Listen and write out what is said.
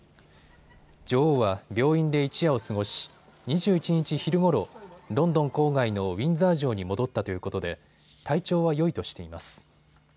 女王は病院で一夜を過ごし、２１日昼ごろ、ロンドン郊外のウィンザー城に戻ったということで体調はよいとしています。